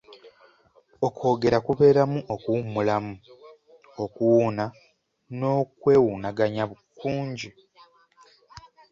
Okwogera kubeeramu okuwummulamu, okuwuuna n'okwewunaganya kungi.